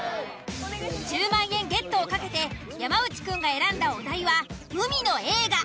１０万円ゲットを懸けて山内くんが選んだお題は「海の映画」。